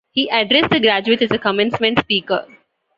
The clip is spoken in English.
He addressed the graduates as the commencement speaker.